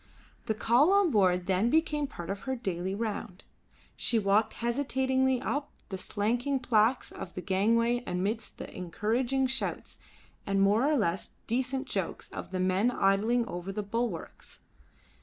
The call on board then became part of her daily round. She walked hesitatingly up the slanting planks of the gangway amidst the encouraging shouts and more or less decent jokes of the men idling over the bulwarks.